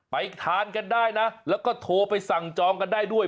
ไปทานกันได้นะแล้วก็โทรไปสั่งจองกันได้ด้วย